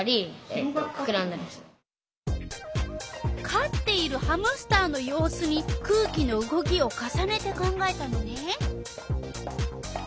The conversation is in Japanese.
かっているハムスターの様子に空気の動きを重ねて考えたのね。